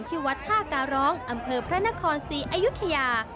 ที่วัดท่าการร้องอำเภอพระนครศรีอยุธยา